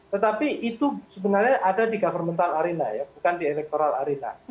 tetapi itu sebenarnya ada di governmental arena ya bukan di electoral arena